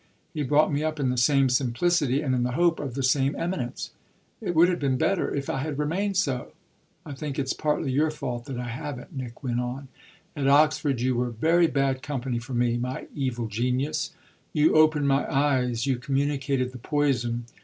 He brought me up in the same simplicity and in the hope of the same eminence. It would have been better if I had remained so. I think it's partly your fault that I haven't," Nick went on. "At Oxford you were very bad company for me my evil genius: you opened my eyes, you communicated the poison.